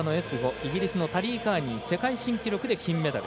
イギリスのタリー・カーニー世界新記録で金メダル。